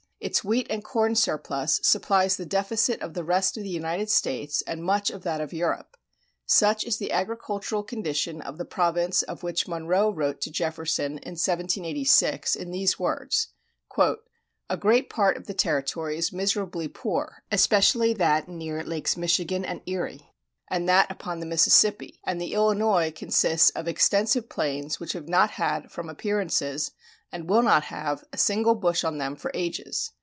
Its wheat and corn surplus supplies the deficit of the rest of the United States and much of that of Europe. Such is the agricultural condition of the province of which Monroe wrote to Jefferson, in 1786, in these words: "A great part of the territory is miserably poor, especially that near Lakes Michigan and Erie, and that upon the Mississippi and the Illinois consists of extensive plains which have not had, from appearances, and will not have, a single bush on them for ages.